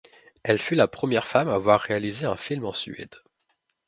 Elle fut la première femme à avoir réalisé un film en Suède.